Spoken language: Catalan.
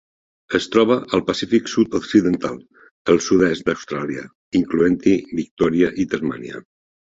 Es troba al Pacífic sud-occidental: el sud-est d'Austràlia, incloent-hi Victòria i Tasmània.